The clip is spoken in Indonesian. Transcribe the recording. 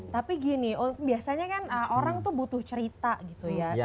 tapi gini biasanya kan orang tuh butuh cerita gitu ya